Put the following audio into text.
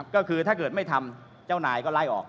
ก็คือถ้าเกิดไม่ทำเจ้านายก็ไล่ออก